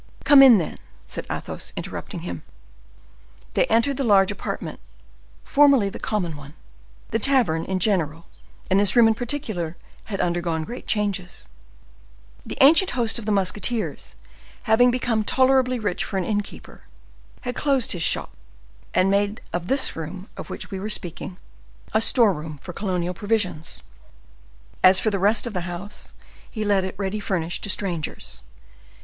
"Come in, then," said Athos, interrupting him. They entered the large apartment, formerly the common one. The tavern, in general, and this room in particular, had undergone great changes; the ancient host of the musketeers, having become tolerably rich for an innkeeper, had closed his shop, and make of this room of which we were speaking, a store room for colonial provisions. As for the rest of the house, he let it ready furnished to strangers.